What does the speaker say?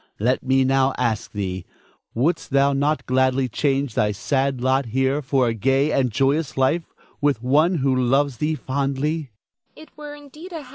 Let me now ask thee, Wouldst thou not gladly change thy sad lot here for a gay and joyous life with one who loves thee fondly?